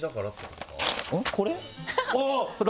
これ？